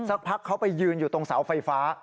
สักพักเขาไปยืนอยู่ตรงเสาไฟฟ้า